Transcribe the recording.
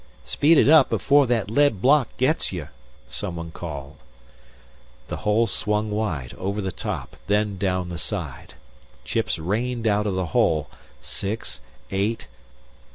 "Speed it up, before that lead block gets you," someone called. The hole swung high, over the top, then down the side. Chips rained out of the hole, six, eight....